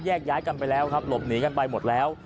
ย้ายกันไปแล้วครับหลบหนีกันไปหมดแล้ว